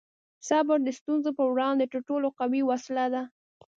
صبر د ستونزو په وړاندې تر ټولو قوي وسله ده.